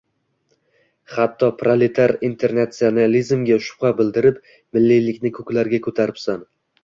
Xatto proletar internatsionalizmiga shubha bildirib, milliylikni ko‘klarga ko‘taribsan.